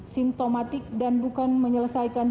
simptomatik dan bukan menyelesaikan